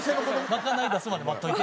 「賄い出すまで待っといて」。